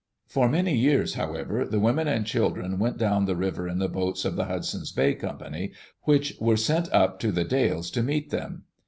For many years, however, the women and children went down the river in the boats of the Hudson's Bay Company, which were sent up to The Dalles to meet them.